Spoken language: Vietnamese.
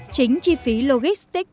chính chi phí logistics